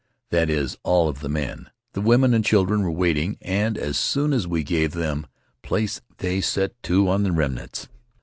That is, all of the men. The women and children were waiting, and as soon as we gave them place they set to on the remnants.